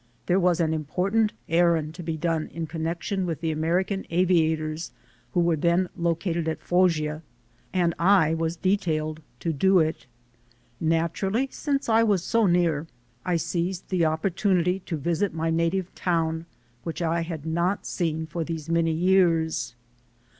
There was an important errand to be done in connection with the American Aviators who were then located at Foggia, and I was detailed to do it. Naturally, since I was so near, I seized the opportunity to visit my native town which I had not seen for these many years.